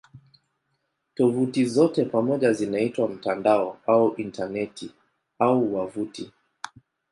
Tovuti zote pamoja zinaitwa "mtandao" au "Intaneti" au "wavuti".